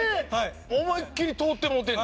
思いっ切り通ってもうてる。